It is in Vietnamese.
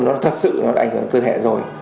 nó thật sự nó đã ảnh hưởng đến cơ thể rồi